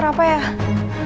kepada bisa untuk alay